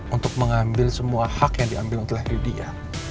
untuk mengambil semua hak yang diambil setelah lydia